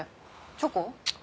チョコ？